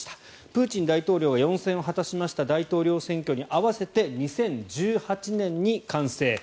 プーチン大統領が４選を果たしました大統領選挙に合わせて２０１８年に完成。